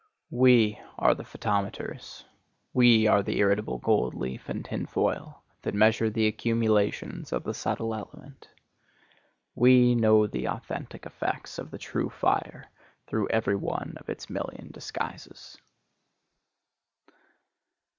We are the photometers, we the irritable goldleaf and tinfoil that measure the accumulations of the subtle element. We know the authentic effects of the true fire through every one of its million disguises.